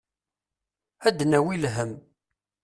Ad d-nawi lhemm.